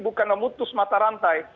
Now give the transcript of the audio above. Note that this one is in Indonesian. bukan memutus mata rantai